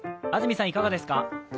安住さんいかがですか。